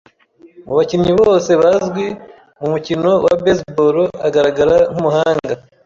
Mu bakinnyi bose bazwi mu mukino wa baseball, agaragara nkumuhanga.